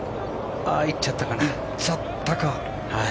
ああ、行っちゃったかな。